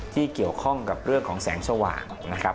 ที่เกี่ยวข้องกับเรื่องของแสงสว่างนะครับ